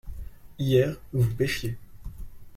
Hier vous pêchiez.